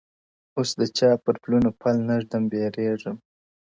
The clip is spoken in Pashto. اوس د چا پر پلونو پل نږدم بېرېږم _